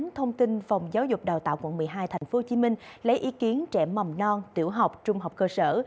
thông tin phòng giáo dục đào tạo quận một mươi hai tp hcm lấy ý kiến trẻ mầm non tiểu học trung học cơ sở